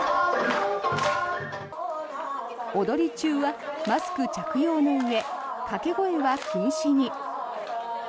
踊り中はマスク着用のうえ掛け声は禁止に。